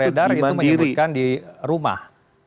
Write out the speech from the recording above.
baik tapi informasi yang beredar itu menyebutkan di rumah